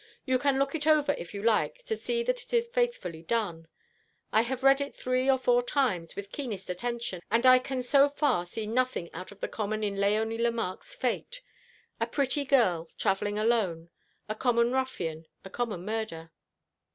You can look it over if you like, to see that it is faithfully done. I have read it three or four times, with keenest attention, and I can so far see nothing out of the common in Léonie Lemarque's fate. A pretty girl travelling alone, a common ruffian, a common murder."